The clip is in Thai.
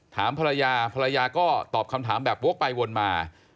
ถามภรรยาภรรยาก็ตอบคำถามแบบวกไปวนมา